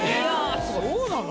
そうなの？